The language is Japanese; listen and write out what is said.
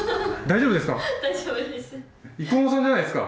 大丈夫です。